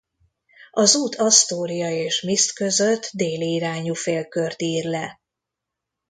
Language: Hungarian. Az út Astoria és Mist között déli irányú félkört ír le.